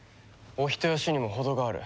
お人よしにも程がある。